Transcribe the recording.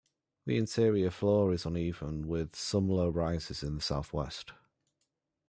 The interior floor is uneven, with some low rises in the southwest.